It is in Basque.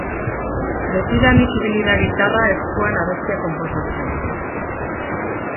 Betidanik ibili da gitarra eskuan abestiak konposatzen.